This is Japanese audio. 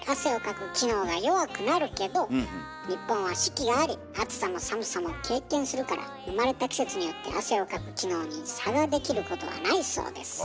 日本は四季があり暑さも寒さも経験するから生まれた季節によって汗をかく機能に差ができることはないそうです。